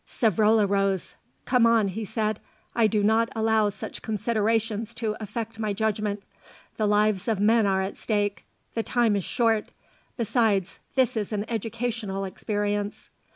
Savrola rose. "Come on," he said; "I do not allow such considerations to affect my judgment. The lives of men are at stake; the time is short. Besides, this is an educational experience."